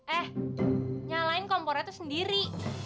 eh nyalain kompornya tuh sendiri